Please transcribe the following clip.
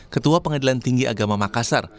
ketua pengadilan tinggi agama makassar